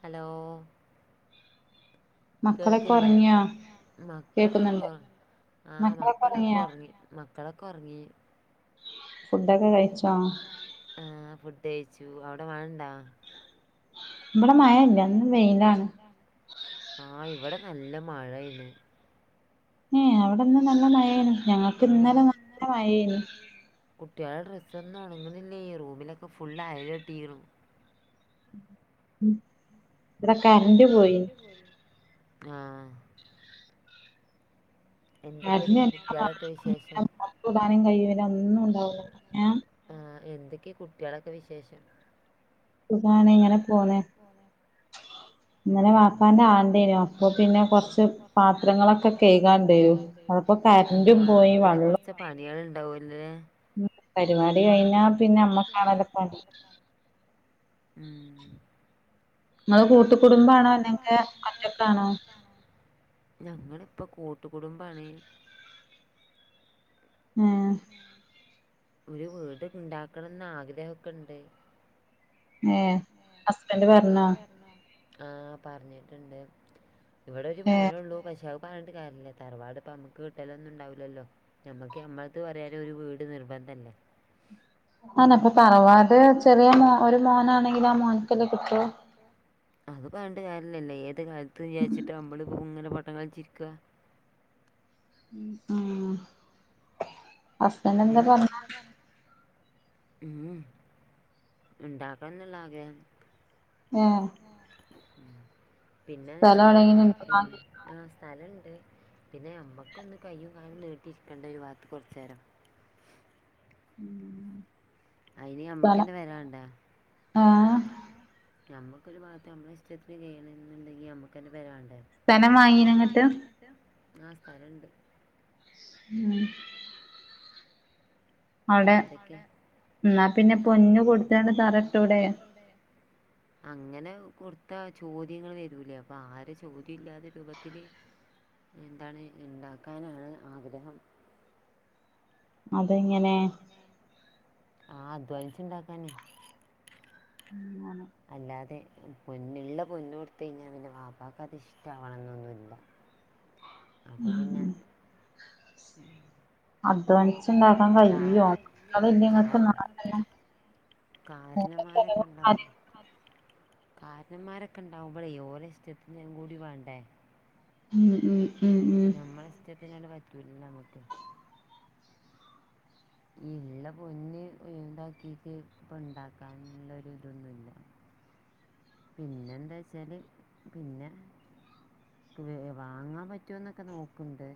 Hello കേൾക്കില്ലേ മക്കള് ഒ ആഹ് മക്കളൊക്കെ ഉറങ്ങി മക്കളൊക്കെ ഉറങ്ങി ആഹ് ഫുഡ് കഴിച്ചു അവിടെ മഴ ഇണ്ടാ ഇവിടെ മഴ ഇല്ല ഇന്ന് വെയിയിലാണ് ആഹ് ഇവടെ നല്ല മഴേന്ന് ഏഹ് അവിടെ ഇന്ന് നല്ല മഴയാണ് ഞങ്ങക്ക് ഇന്നലെ നല്ല മഴേന്നു കുട്ടികൾടെ ഡ്രസ്സ് ഒന്നും ഒണങ്ങണില്ലേ റൂമിലൊക്കെ ഫുള്ള് അഴ കെട്ടിക്കണു ഇവടെ കറന്റ് പോയി ആഹ് [inaudible] കഴിയുല ഒന്നും ഒണ്ടാവുലാ ആഹ് ആഹ് എന്തൊക്കെയാ കുട്ടികളൊക്കെ വിശേഷം സുഖാണ് ഇങ്ങനെ പോന്ന് ഇന്നലെ ബാ പ്പാൻ്റെ ആണ്ടായ്ന്നു അപ്പോ പിന്നെ കൊറച്ച് പാത്രങ്ങളൊക്കെ കേയ്കാനുണ്ടേന്നു ഇപ്പോ കറന്റും പോയി വള്ളം ച്ചേ പണികള്ണ്ടാവൂല്ലേ ഉം പരിപാടി കഴിഞ്ഞാ പിന്നെ അമ്മക്ക് ആണല്ലോ പണി ഉം ഇങ്ങള് കൂട്ടു കുടുംബാണോ അല്ലങ്കേ ഒറ്റക്കാണോ ഞങ്ങളിപ്പോ കൂട്ടുകുടുംബാണ് ഒരു വീട് ഇണ്ടാക്കണന്ന് ആഗ്രഹക്കെണ്ട് [inaudible] ആഹ് പറഞ്ഞിട്ടോണ്ട് ഇവടെ ഒരു മോനേ ഉള്ളൂ പഷേ അത് പറഞ്ഞിട്ട് കാര്യല്ല്യ തറവാട് ഇപ്പ നമ്മുക്ക് കിട്ടലൊന്നും ഉണ്ടാവുല്ലല്ലോ ഞമ്മക്ക് ഞമ്മള്ത് പറയാ ഒരു വീട് നിർബന്ധല്ലേ ആനപ്പോ തറവാട് ചെറിയ മോൻ ഒരു മോനാണെ മോനാണെങ്കിൽ ആ മോന്ക്ക് അല്ലേ കി അത് പണ്ട് കാര്യല്ലല്ല് ഏത് കാലത്ത് വിചാരിച്ചിട്ടാ നമ്മളി ഇങ്ങനെ പോട്ടം കളിച്ചിരിക്കാ ആഹ്‌ [unintelligible] ഉം ഇണ്ടാക്കണന്നുള്ള ആഗ്രഹം ആഹ് ഏഹ് പിന്നെ വെച്ചാല് [unintelligible] ആഹ് സ്ഥലണ്ട് പിന്നെ അമ്മക്കൊന്ന് കയ്യും കാലും നീട്ടിയിരിക്കണ്ടേ ഒരുഭാഗത്ത് കൊറച്ചുനേരം ഉം അയിനി ഞമ്മക്കന്നെ പെരവേണ്ട ആഹ് ഞമ്മക്കൊരു ഭാഗത്ത് നമ്മള ഇഷ്ടത്തിന് ചെയ്യണെന്നുണ്ടെങ്കി ഞമ്മക്കന്നെ പെരവേണ്ടേ സ്ഥലം വാങ്ങീനങ്ങട്ട് [unintelligible] ആഹ് സ്ഥല്ണ്ട് ഉം എന്തൊക്ക എന്നാ പിന്നെ പൊന്നു [unintelligible] ഇട്ടൂടെ അങ്ങനെ കൊടുത്ത ചോദ്യങ്ങള് വരൂലേ അപ്പോ ആരെ ചോദ്യം ഇല്ലതെ രൂപത്തില് എന്താണ് ഇണ്ടാക്കാനാണ് ആഗ്രഹം അതെങ്ങനെ ആഹ് അധ്വാനിച്ച് ഇണ്ടാക്കാനേ [unintelligible] അല്ലാതെ പൊന്ന് ള്ള പൊന്ന് കൊടുത്ത് കഴിഞ്ഞാ പിന്നെ വാപ്പക്ക് അത് ഇഷ്ടാവണന്നൊന്നുവില്ല അപ്പ പിന്നെ [unintelligible] കാരണമാരൊക്കെണ്ടാവും കാരണമാരൊക്കെ ഇണ്ടാവുമ്പളേ ഓലേ ഇഷ്ടത്തിന് കൂടി വേണ്ടേ ഉം ഉം ഉം ഞമ്മളെ ഇഷ്ടത്തിനോട് പറ്റൂലലോ നമ്മക്ക് ഈ ഇള്ള പൊന്ന് ഇതാക്കിട്ട് ഇപ്പോ ഇണ്ടാക്കാനുള്ളൊരു ഇതൊന്നുവില്ല പിന്നെന്താവച്ചാല് പിന്നെ വാങ്ങാൻ പറ്റോന്നൊക്കെ നോക്ക്ണ്ട്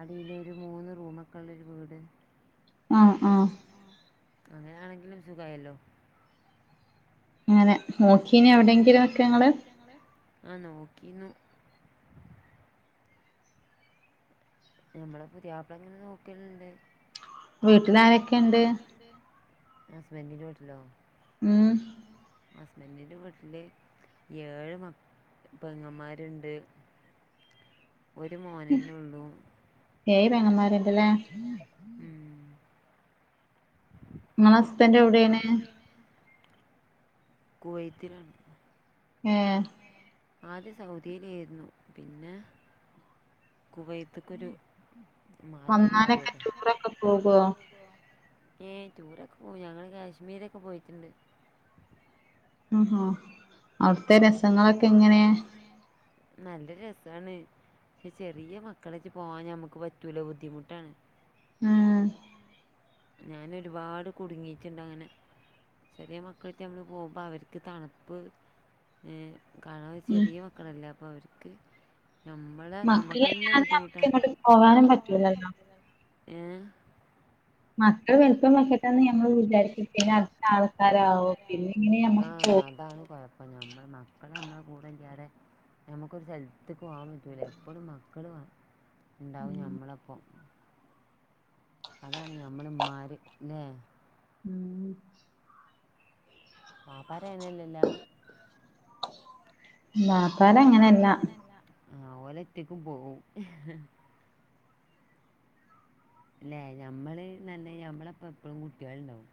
അടിലൊരു മൂന്ന് റൂമൊക്കെള്ളൊരു വീട് ആഹ് ആഹ് അങ്ങനെയാണെങ്കിലും സുഖയല്ലോ അങ്ങനെ നോക്കീനെ എവിടെയെങ്കിലുക്കെ ങ്ങള് ആഹ് നോക്കിന്നു ഞമ്മള് പുതിയയാപ്പള ഇങ്ങനെ നോക്കല്ണ്ട് വീട്ടിലാരൊക്കെണ്ട്? ഹസ്ബൻഡിൻ്റെ വിട്ടിലോ? ഉം ഹസ്ബൻറ്റിന്റെ വീട്ടില് ഏഴ് മ പെങ്ങമാര്ണ്ട് ഒരു മോനന്നെള്ളു. ഏഴ് പെങ്ങമാര്ണ്ട്ല്ലെ ഉം ങ്ങളെ ഹസ്ബൻഡ് എവിടെണ് കുവൈത്തിലാണ് ഏഹ് ആദ്യ സൗദിയിലേര്ന്നു പിന്നെ കുവൈത്ത്ക്കൊരു മാറ്റം മാറിയത ഏഹ് ടൂറൊക്കെ പോകും ഞങ്ങള് കാശ്മീരൊക്കെ പോയിട്ട്ണ്ട് അ ഹ അവിടുത്തെ രസങ്ങളൊക്കെ എങ്ങനെ? നല്ല രസണ് ക്ഷെ ചെറിയ മക്കളേറ്റ് പോകാൻ നമക്ക് പറ്റൂല ബുദ്ധിമുട്ടാണ് എഹ് ഞാനൊരുപാട് കുടുങ്ങിട്ട്ണ്ടങ്ങനെ ചെറിയ മക്കളേറ്റ് നമ്മൾ പോകുമ്പോ അവർക്ക് തണുപ്പ് എ കാണാ ചെറിയ മക്കളല്ലേ അപ്പോ അവർക്ക് നമ നമ്മള് അമ്മക്ക്ന്നെ ബുദ്ധിമുട്ട ഏഹ് മക്കൾ വലുപ്പം വെക്കട്ടെന്ന് ഞമ്മൾ വിചാരിക്ക പിന്നെ അടുത്ത ആൾക്കാരാവു പിന്നെ ആഹ് അതാണ് പാട് അപ്പ നമ്മൾ മക്കള് നമ്മളെ കൂടെ ഇല്ലാതെ നമ്മുക്കൊരു സ്ഥൽത്ത്ക്ക് പോകാൻ പറ്റൂല എപ്പളും മ ക്കള് മാണ ഇണ്ടാവും നമ്മളപ്പം അതാണ് ഞമ്മള് മ്മാര് ല്ലെ? ഉം പാപ്പാരങ്ങനല്ലല്ല [unintelligible] ആഹ് ഓലെ ഒറ്റക്കും പോവും അല്ലേ ഞമ്മള് ന്നർ ഞ്ഞ നമ്മളെപ്പ എപ്പോഴും കുട്ടികളുണ്ടാവും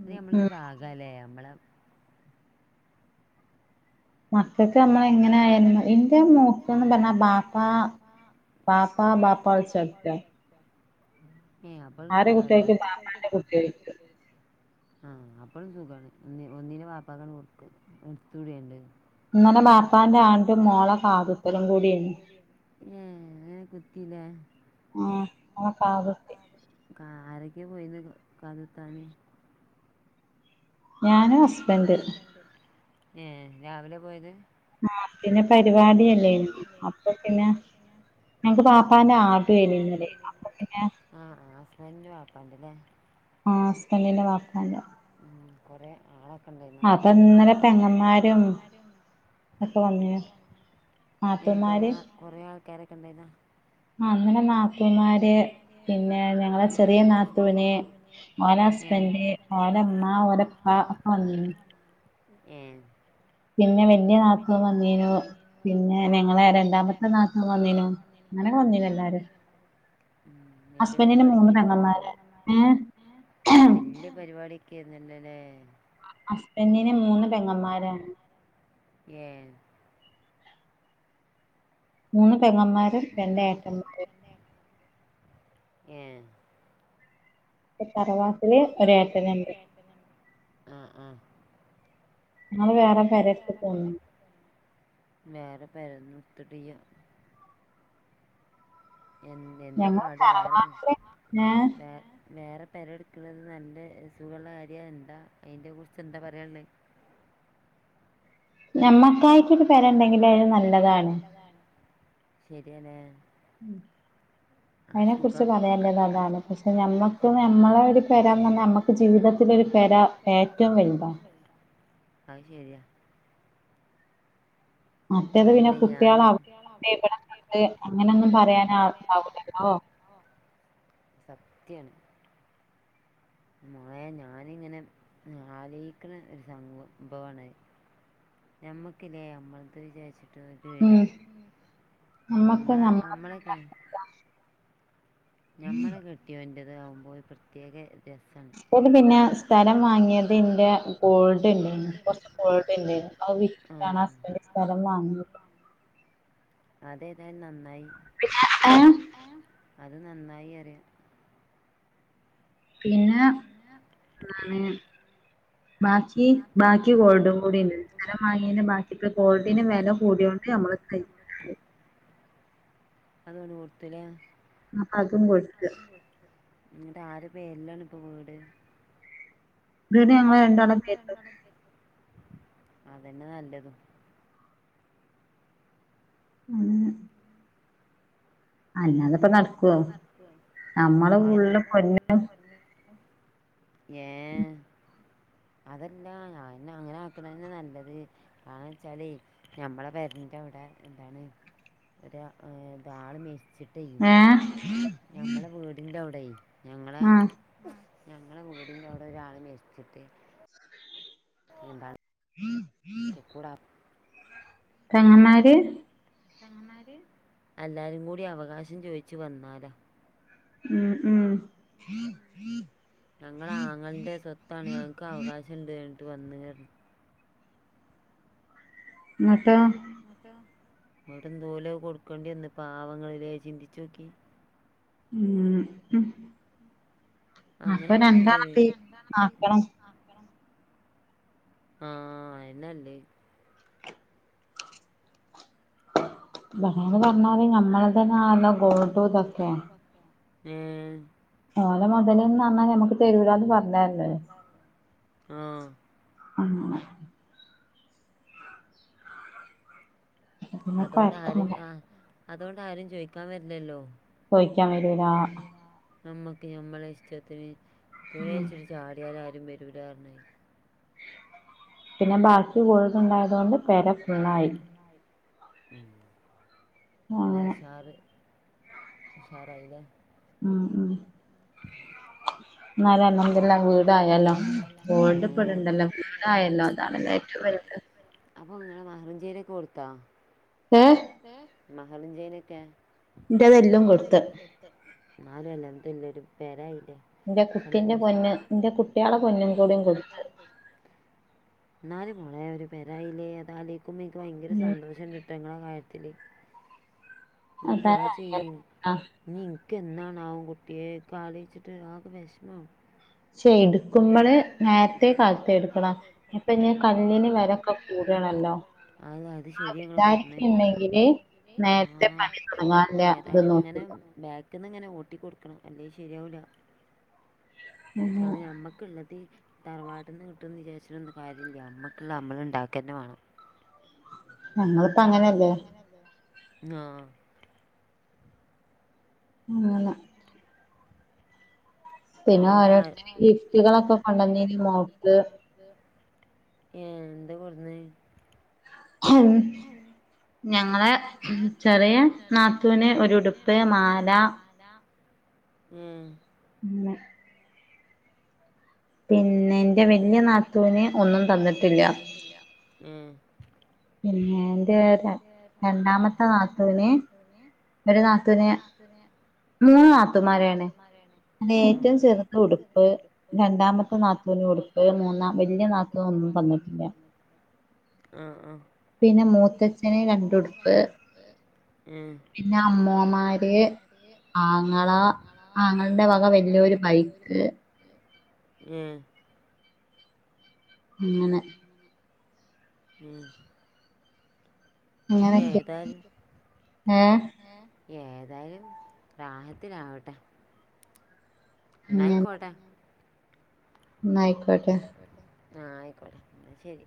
അത് നമ്മളൊരു ബാ കലെ നമ്മളെ മക്കക്ക് നമ്മള് എങ്ങനായാലും ഇന്റെ മോക്ക്ന്ന് പറഞ്ഞ ബാപ്പ ബാപ്പാ ബദപ്പ ൾച്ചട്ക്ക ഏ അപ്പങ്ങൾക്ക് സുഖാല്ലേ? ആഹ് അപ്പളും സുഖണ് ഒന്നിന് പാപ്പാക്കാണ്ട് കൊടുക്കും കൊടുത്തൂടിയണ്ട് ഇന്നലെ ബാപ്പാന്റെ ആണ്ട് മോളെ കാതുത്തലും കൂടിയ്നി ഏഹ് കുത്തിലെ ആഹ് ഓളെ കാത് ആഹ് ആരൊക്കെ പോയിന്നെ കാതു ത്താന് ഞാനും ഹസ്ബൻഡ് ഏഹ് രാവിലെ പോയത്? ആഹ് പിന്നെ പരിപാടിയല്ലേനെ അപ്പൊ പിന്നെ ഞങ്ങക്ക് പാപ്പാന്റെ ആണ്ടയ്നി ന്നലെ അപ്പ പിന്നെ ആഹ് ആഹ് ഹസ്ബൻഡിന്റെ പാപ്പാണ്ട്ല്ലേ ആഹ് ഹസ്ബൻഡിന്റെ വാപ്പാണ്ട് ഉ കൊറെ ആളൊക്കെ ഇണ്ടായിരുന്നു അതങ്ങനെ പെങ്ങമ്മാരും ഒക്കെ വന്നു നാത്തൂമാര് കുറെ ആൾക്കാരൊക്കെ ഉണ്ടായിരുന്നാ ആ ഇന്നലെ നാത്തൂന്മാര് പിന്നെ ഞങ്ങളെ ചെറിയ നാത്തൂന് ഓല ഹസ്ബൻഡ്‌ ഓലമ്മ ഓരപ്പ ഒക്കെ വന്നിരുന്നു ഏ പിന്നെ വല്യ നാത്തൂൻ വന്നീനു പിന്നെ ഞങ്ങളെ രണ്ടാമത്തെ നാത്തൂൻ വന്നിനു അങ്ങനെ വന്നിനു എല്ലാരും ഉം വലിയ പരിപാടിക്ക് ഏ [inaudible] എന്റെ പരിപാടിക്ക് നിന്നലേ ഹസ്ബൻഡിന് മൂന്ന് പെങ്ങന്മാരാണ് യേ മൂന്നു പെങ്ങമ്മാരെ മൂന്ന് പെങ്ങൻമാര് ഏ പിന്നെ തറവാട്ടില് ഒരേട്ടനുണ്ട് ആഹ് ആഹ് നിങ്ങളു വേറെ നിങ്ങള് വേറേ പേരേ? വേറെ പെരേന്നെടിത്തീട്ടീയാ എന്ന് എന്താ പാട് വേറെ വേ വേറെ പരെട് നിക്ക്ണത് നല്ല സുഖൊള്ള കാര്യാ എന്താ അതിന്റെ കുറിച്ചെന്താ പറയാനുള്ളേ ഞമ്മക്കായിട്ടൊരു പെരേണ്ടെങ്കിലെ നല്ലതാണ് ശെരിയാലേ ഉം അതിനെ കുറിച് പറയാനലത് അതാണ് പഷേ നമ്മക്ക് നമ്മളെ ഒരു പെരാന്നെ നമ്മക്ക് പ്പം ജീവിതത്തിലൊരു പെര ഏറ്റവും വലുതാ അയിശെരിയാ [unintelligible] അല്ലേ ഞാനും അ സത്യാണ് മോളെ ഞാനിങ്ങനെ ആലോചിക്കണ ഒരു സംഭവമാണ് ഞമ്മക്കില്ലേ നമ്മൾത് വിചാരിച്ചു റ്റോറ്റിയിടം നമ്മള നമ്മളൊക്കെ ഞമ്മളെ കെട്ടിയോന്റെതെ ആകുമ്പോ ഒരു പ്രത്യേക രസ് ഓൽ പിന്നെ സ്ഥലം വാങ്ങിയതിന്റെ ഗോൾഡ് ഉണ്ടാനുന്നു കൊറച്ച് ഗോൾഡ് ഉണ്ടാനുന്നു അതു വിറ്റ് വിറ്റിട്ടാണ സ്ഥലം വാങ്ങുന്നെ അതേതായാലും നന്നായി എ ഏ അത് നന്നായി അറിയാ പിന്നെ ഉം ബാക്കി ബാക്കി ഗോൾഡും കൂടി സ്ഥലം വാങ്ങിയ ബാക്കി ഗോൾഡിനെ വെല കൂടിയോണ്ട് നമ്മള് ഉ [unintelligible] അതുകൊണ്ട് കൊടുത്തിലേ ന്നിട്ട് ആരെ പേരിലാണ് ഇപ്പ വീട് പി [unintelligible] അതന്നെ നല്ലതും ഉം അല്ലാതെ പ്പം ന്നിപ്പം [unintelligible] ഏഹ് അതല്ലഞാ അങ്ങനാക്കണന്നെ നല്ലത് ആണെച്ചാലേ ഞമ്മടെ പേരേന്റവിടെ എന്താണ് ഒരേ എഹ് ദാളുമേസ് ഏഹ് ഞമ്മടെ വീടിന്റെവിടേ ഞങ്ങളെ ഞങ്ങടെ വീടിന്റവിടൊരാളെ മരിച്ചിട്ട് [unintelligible] [unintelligible] [unintelligible] പെങ്ങമ്മാര് പെങ്ങമാർ എല്ലാരും കൂടി അവകാശം ചോയിച്ചു വന്നാലോ ഉം ഉം ഞങ്ങളാ ആങ്ങൾന്റെ സ്വത്താണ് ഞങ്ങക്ക് അവകാശം ഇണ്ടേട്ടു വന്നു കേറന്നു എന്നിട്ടോ ഇങ്ങട്ട്ന്തോ ഓല് കൊടുക്കണ്ടിയേന്ന് പാവങ്ങളിലേ ചിന്തിച്ചു നോക്കിയേ ഉം ക്കു അപ്പ രണ്ടാളങ്കി നാക്കണം ആ എന്നല്ലേ ബാവ [unintelligible] പറഞ്ഞാൽ നമ്മളതന്നെണല്ലോ ഗോൾഡുംതൊക്കെയ്യ് ഏഹ് ഓലെ മോതല്ന്ന് റഞ്ഞാൽ നമുക്ക് തരൂലാന്ന് പറഞ്ഞല്ലേ ആഹ് [unintelligible] അതോണ്ടാരും ആ അതോണ്ട് ആരും ചോയ്ക്കാൻ വരിലല്ലോ ചോദിക്കാൻ വരുല്ല നമ്മക്ക് നമ്മളെ ഇഷ്ടത്തിന് [unintelligible] ചാടിയൽ ആരും വരൂലർന്ന് പിന്നെ ബാക്കി [unintelligible] ണ്ടായതുകൊണ്ട് പേര ഫുള്ളായി ഷാർ ഉഷാറയിൽലെ മ്മ് മ്മ് ന്നലെ അൽ ഹംദു ലില്ലാഹ് വീടായല്ലോ മ്മ് അപ്പൊ ഇങ്ങള് മഹ്ഞ്ചേരി കൊടുത്താ ഏഹ് എഹ് മഹുല്ലുഞ്ചേരിയൊക്കെ ന്റെതെല്ലാം കൊടുത്ത് ത്ത് ന്നാലും അൽഹംദുലില്ലാഹ് പെരായില്ലേ സന്തോഷം പിന്നെ പോന്ന് ന്റെ കുട്ടികളെ പൊന്ന് കൂടെ പോയി ന്നാലും മോളെ ഒരു പെരായില്ലേ താലോയ്ക്കുമ്പോ ഇയ്യ്ക്ക് ഭയങ്കര സന്തോഷം ണ്ട് ട്ട ങ്ങളെ ല് ങ്ങള് ദുആ ചെയ് നി ഇൻക്കെ ന്നാണ് ആവോ കുട്ടിയെ ഇയ്ക്കലോയിച്ചിട്ട് ആകെ വേഷ്മവും എടുക്കുമ്പോള് നേർത്തേ കാലതെ എട്ക്കണം അപ് കണ [unintelligible] അത് അത് ശരിയങ്ങള് പറഞ്ഞെ [unintelligible] ആഹ് ഏതാലുംങ്ങനെ ബാക്ക് ന്ന് ഇങ്ങനെ ഓട്ടി കൊടുക്കണം അല്ലെല് ശരിയാവില്ല [unintelligible] മ്മ ക്കള്ളത് തറവാട്ട്ന്ന് കിട്ടുമന്ന് വിചാരിച്ചിട്ടൊന്നും കാര്യമില്ല മ്മക് ള്ളത് അമ്മള് ണ്ടാക്ക തന്നെ വേണം ങ്ങനെ ല്ലേ ആഹ് [unintelligible] ഔണ്ടാ ആ [unintelligible] ട്ടികളൊക്കെ കൊണ്ടന്നീണ് ഏഹ് എന്തെ കൊണ്ടെനെ [unintelligible] ഞങ്ങളെ ചെറിയ നാത്തുന് ഒരുടുപ്പ് മാല ലാ ഉംമ് ഉംനെ പിന്നെ ന്റെ വെല്യ നാത്തുന് ഒന്നുംതന്നിട്ടില്ല ട്ടില്ല ഉം പിന്നെ ന്റെ രണ്ടാമത്തെ നാത്തൂന് ഒരു നാത്തൂന് പിന്നെ മൂന്ന് നാത്തൂന്മാരാണ് ഏറ്റവും ചെറുത് ഉടുപ്പ് രണ്ടാമത്തെ നാത്തൂന് ഉടു മൂന്ന വല്യ നാത്തൂ ഒന്നും തന്നിട്ടില്ല ആഹ് ആഹ് പിന്നെ മൂത്തച്ഛന് രണ്ടുടുപ്പ് പിന്നെ അമ്മോമാര് ആങ്ങള ആങ്ങൾന്റെവക വല്ല്യോരു ബൈ ബൈക്ക് ഉം അങ്ങനെ ഉം ഏതായ്ലും ഏഹ് ഏതായ്ലും റാഹത്തിലാവട്ടെ ഇന്നായിക്കോട്ടെ ഇന്നായിക്കോട്ടെ ആ അയിക്കോട്ടെ ന്ന ശരി